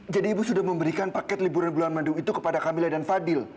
jadi ibu sudah memberikan paket liburan bulan mandu itu kepada kamila dan fadil